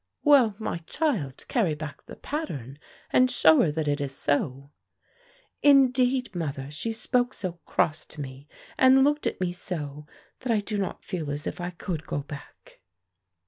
"Well, my child, carry back the pattern, and show her that it is so." "Indeed, mother, she spoke so cross to me, and looked at me so, that I do not feel as if I could go back."